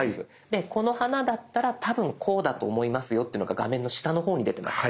でこの花だったら多分こうだと思いますよっていうのが画面の下の方に出てます。